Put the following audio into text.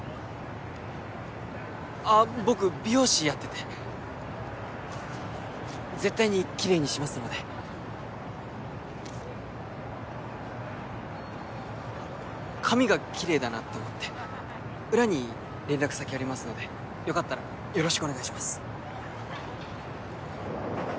あぁ僕美容師やってて絶対にきれいにしますので髪がきれいだなって思って裏に連絡先ありますのでよかったらよろしくお願いします